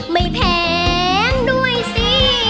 ไม่แพงด้วยซิ